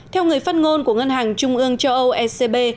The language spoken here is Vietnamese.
theo người phát ngôn của ngân hàng trung ương châu âu ecb